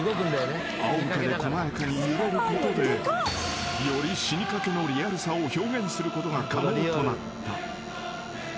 ［あお向けで細やかに揺れることでより死にかけのリアルさを表現することが可能となった］